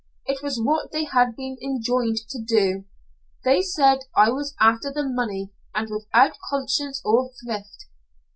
It was what they had been enjoined to do. They said I was after the money and without conscience or thrift.